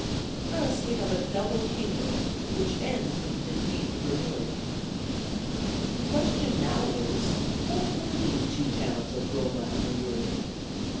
Thus we have a double kingdom, which ends with the defeat of Remuria. The question now is, What were these two towns of Roma and Remuria?